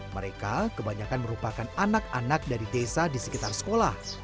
mereka kebanyakan merupakan anak anak dari desa di sekitar sekolah